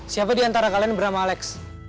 siapa diantara kalian bernama alex